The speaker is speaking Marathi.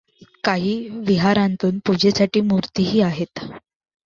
काही विहारांतून पूजेसाठी मूर्तीही आहेत.